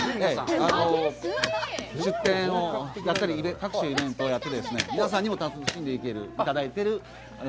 出店をやったり、各種イベントをやったり、皆さんにも楽しんでいただいています。